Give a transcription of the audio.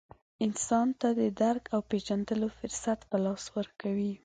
انسان ته د درک او پېژندلو فرصت په لاس ورکوي.